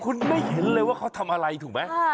คุณไม่เห็นเลยว่าเขาทำอะไรถูกไหม